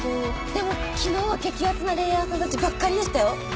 でも昨日は激アツなレイヤーさんたちばっかりでしたよ。